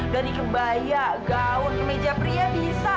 dari kebaya gaul meja pria bisa